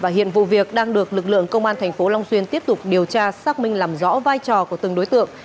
hiện vụ việc đang được lực lượng công an thành phố long xuyên tiếp tục điều tra xác minh làm rõ vai trò của từng đối tượng